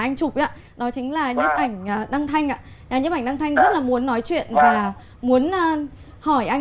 anh chụp đó chính là nhấp ảnh đăng thanh nhấp ảnh đăng thanh rất là muốn nói chuyện và muốn hỏi anh